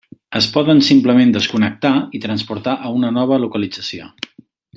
Es poden simplement desconnectar i transportar a una nova localització.